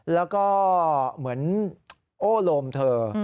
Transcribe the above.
แล้วก็เหมือนโอ้โลมเธอ